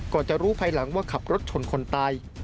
จะรู้ภายหลังว่าขับรถชนคนตาย